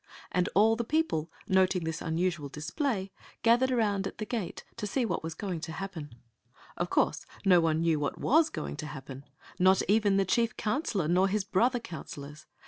And all the people, noting this unu sual display, gathered around at the gate to see what was going to happen. Of course no one knew what was going to happen ; not even the chief counselor nor his brother counsel ors.